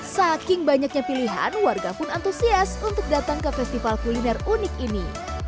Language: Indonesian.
saking banyaknya pilihan warga pun antusias untuk datang ke festival kuliner unik ini